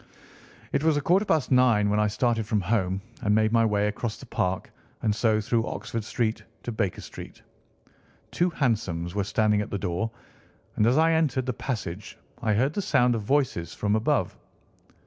It was a quarter past nine when I started from home and made my way across the Park, and so through Oxford Street to Baker Street. Two hansoms were standing at the door, and as I entered the passage I heard the sound of voices from above.